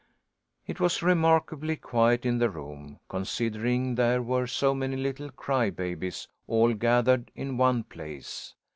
It was remarkably quiet in the room, considering there were so many little cry babies all gathered in one place.